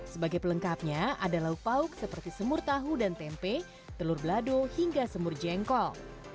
sebagai pelengkapnya ada lauk pauk seperti semur tahu dan tempe telur belado hingga semur jengkol